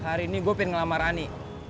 hari ini gue pengen ngelamar rani